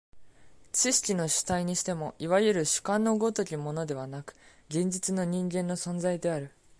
知識の主体にしても、いわゆる主観の如きものでなく、現実の人間の存在である。